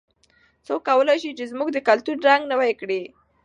څوک کولای سي چې زموږ د کلتور رنګ نوی کړي؟